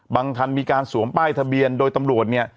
คันมีการสวมป้ายทะเบียนโดยตำรวจเนี่ย